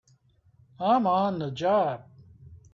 I'm on the job!